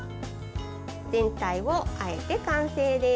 全体をあえて完成です。